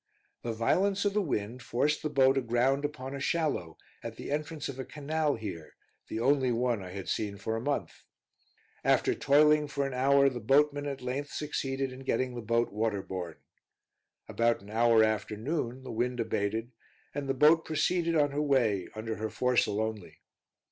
The violence of the wind forced the boat aground upon a shallow, at the entrance of a canal here, the only one I had seen for a month. After toiling for an hour, the boatmen at length succeeded in getting the boat water borne. About an hour after noon the wind abated and the boat proceeded on her way under her foresail only.